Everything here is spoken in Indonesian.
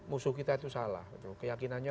musuh kita itu salah keyakinannya